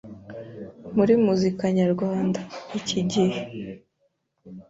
muri muzika nyarwanda.iki gihe